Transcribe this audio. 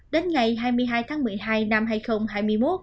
đến ngày hai mươi hai tháng một mươi hai năm hai nghìn hai mươi một